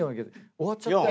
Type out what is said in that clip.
終わっちゃったよ。